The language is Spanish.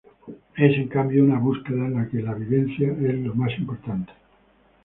Es, en cambio, una búsqueda, en la que la vivencia es lo más importante.